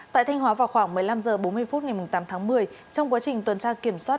tại thanh hóa vào khoảng một mươi năm h bốn mươi phút ngày tám tháng một mươi trong quá trình tuần tra kiểm soát